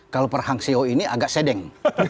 kalau park hang seo ini agak sedeng